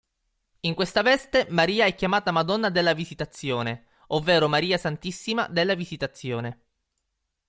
In questa veste, Maria è chiamata Madonna della Visitazione ovvero Maria Santissima della Visitazione.